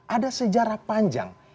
ada sejarah panjang